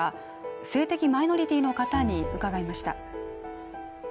性的マイノリティーの方に伺いました。